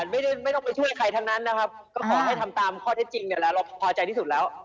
ไม่ต้องไปช่วยใครทั้งนั้นนะครับก็ขอให้ทำตามข้อเท็จจริงเนี่ยแหละเราพอใจที่สุดแล้ว